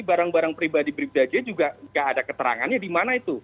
barang barang pribadi bribda dia juga nggak ada keterangannya di mana itu